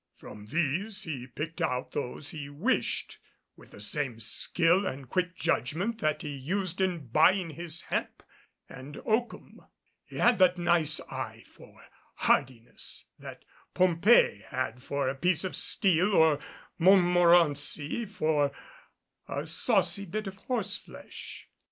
From these he picked out those he wished, with the same skill and quick judgment that he used in buying his hemp and oakum. He had that nice eye for hardiness that Pompée had for a piece of steel or Montmorency for a saucy bit of horseflesh.